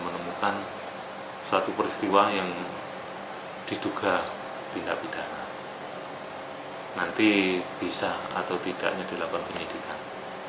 nanti bisa atau tidaknya dilakukan penyelidikan